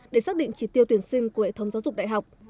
để xác định chỉ tiêu tuyển sinh của hệ thống giáo dục đại học